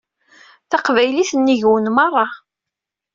Taqbaylit nnig-wen merra.